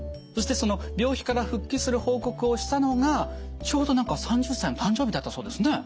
そしてその病気から復帰する報告をしたのがちょうど何か３０歳の誕生日だったそうですね？